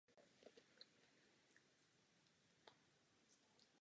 Očekávám, že příští Komise takový návrh představí.